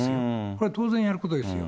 これは当然やることですよ。